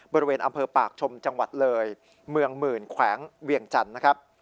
บริเวณอำเภอปากชมจังหวัดเลยเมืองหมื่นแขวงเวียงจันทร์นะครับ